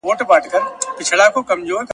چي د هیڅ هدف لپاره مي لیکلی نه دی `